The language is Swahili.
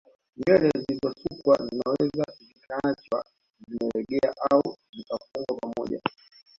Nywele zilizosukwa zinaweza zikaachwa zimelegea au zikafungwa pamoja